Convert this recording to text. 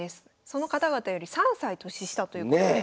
その方々より３歳年下ということで。